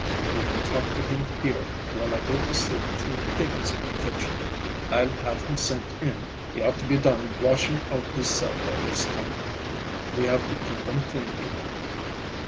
"You can talk to him here, while I go to see to things in the kitchen. I'll have him sent in. He ought to be done washing out his cell by this time. We have to keep 'em clean, you know."